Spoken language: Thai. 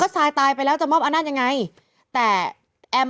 พอค่ะซายตายไปแล้วจะมอบอันนั้นยังไงแต่เอ็มเอาของไปขายเอก